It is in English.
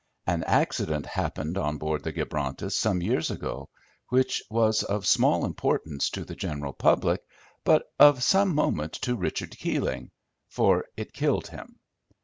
An accident happened on board the Gibrontus some years ago which was of small importance to the general public, but of some moment to Richard Keeling—for it killed him.